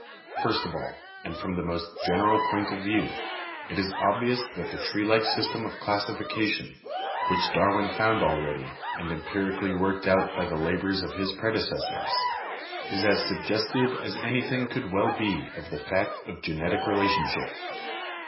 "First of all, and from the most general point of view, it is obvious that the tree like system of classification, which Darwin found already and empirically worked out by the labors of his predecessors, is as suggestive as any thing could well be of the fact of genetic relationship.